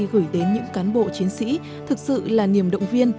gửi đến những cán bộ chiến sĩ thực sự là niềm động viên